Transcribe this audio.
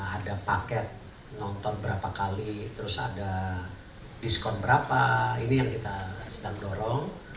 ada paket nonton berapa kali terus ada diskon berapa ini yang kita sedang dorong